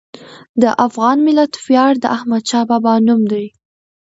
د افغان ملت ویاړ د احمدشاه بابا نوم دی.